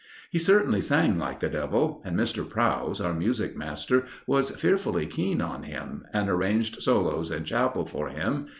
He certainly sang like the devil, and Mr. Prowse, our music master, was fearfully keen on him, and arranged solos in chapel for him.